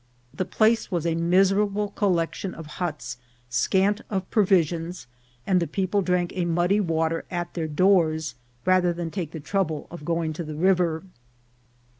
The place was a miserable collection of huts, scant of provisions, and the people drank a muddy water at their doors rather than take the trouble of going to the river.